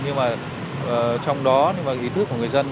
nhưng mà trong đó ý thức của người dân